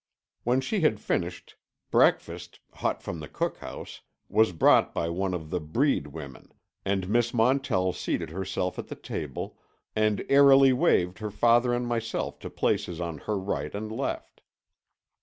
When she had finished, breakfast, hot from the cookhouse, was brought by one of the "breed" women, and Miss Montell seated herself at the table and airily waved her father and myself to places on her right and left.